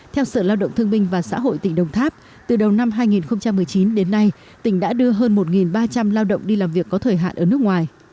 theo sở lao động thương minh và xã hội tỉnh đồng tháp từ đầu năm hai nghìn một mươi chín đến nay tỉnh đã đưa hơn một ba trăm linh lao động đi làm việc có thời hạn ở nước ngoài